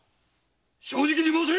正直に申せ！